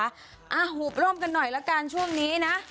หุบร่มกันหน่อยละกันช่วงนี้นะ